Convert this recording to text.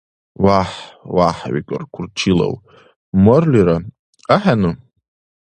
— ВяхӀ, вяхӀ, — викӀар Курчилав. — Марлира, ахӀену?